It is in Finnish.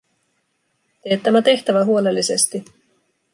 Tee tämä tehtävä huolellisesti.